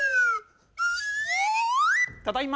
ただいま。